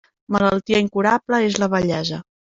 Malaltia incurable és la vellesa.